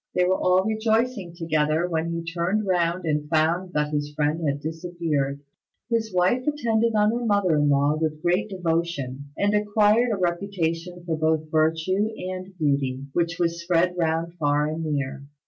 They were all rejoicing together, when he turned round and found that his friend had disappeared. His wife attended on her mother in law with great devotion, and acquired a reputation both for virtue and beauty, which was spread round far and near.